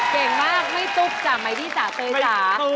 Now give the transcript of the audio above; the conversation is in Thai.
เก่งมากไม่ตุ๊กใจไหมที่สาเตยจ๋า